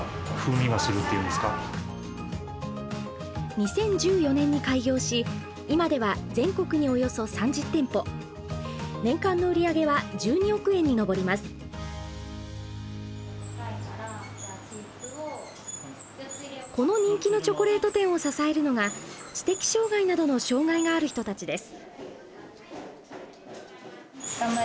２０１４年に開業し今ではこの人気のチョコレート店を支えるのが知的障害などの障害がある人たちです。